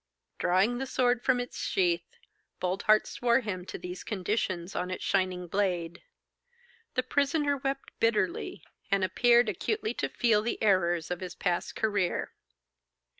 Drawing the sword from its sheath, Boldheart swore him to these conditions on its shining blade. The prisoner wept bitterly, and appeared acutely to feel the errors of his past career.